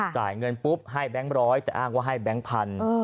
จ่ายเงินปุ๊บให้แบงค์ร้อยแต่อ้างว่าให้แบงค์พัน